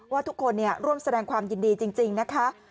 ว่าทุกคนร่วมแสดงความยินดีจริงนะคะ